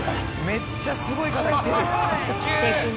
めっちゃすごい方来てる。